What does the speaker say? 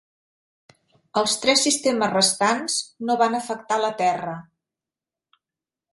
Els tres sistemes restants no van afectar la terra.